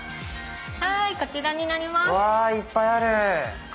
こちらになります。